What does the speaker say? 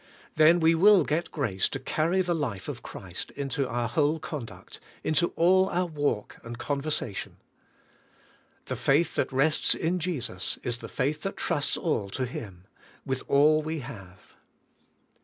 Then we will get grace to carry the life of Christ into our whole conduct, into all our walk and conversation. The faith that rests in Jesus, is the faith that trusts all to Him, with all we have.